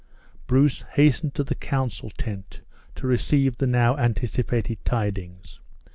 Bruce hastened to the council tent to receive the now anticipated tidings.